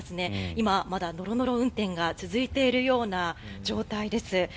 今、まだノロノロ運転が続いているような状態です。